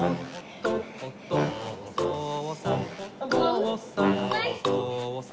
「おっとっとっおとうさん」